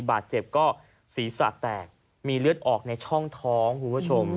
บาดเจ็บก็ศีรษะแตกมีเลือดออกในช่องท้องคุณผู้ชม